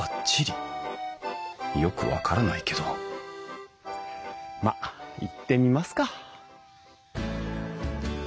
よく分からないけどまあ行ってみますか。